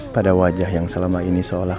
pada wajah yang selama ini seolah